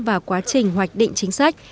vào quá trình hoạch định chính sách